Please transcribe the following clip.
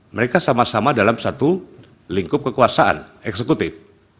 mereka sama sama dalam satu lingkup kekuasaan eksekutif